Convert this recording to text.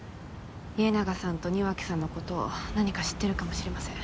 家長さんと庭木さんの事何か知っているかもしれません。